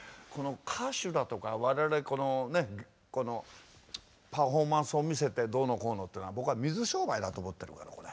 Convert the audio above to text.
歌手だとか我々このねパフォーマンスを見せてどうのこうのっていうのは僕は水商売だと思ってるからこれ。